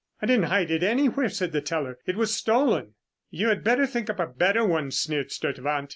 "I didn't hide it anywhere," said the teller. "It was stolen." "You had better think up a better one," sneered Sturtevant.